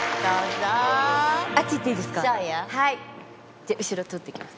じゃあ後ろ通っていきます。